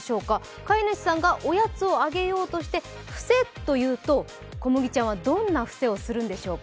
飼い主さんがおやつをあげようとして伏せと言うとこむぎちゃんはどんな伏せをするんでしょうか。